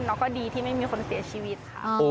แล้วก็ดีที่ไม่มีคนเสียชีวิตค่ะ